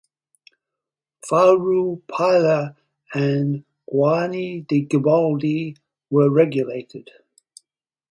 Farroupilha and Guarany de Garibaldi were relegated.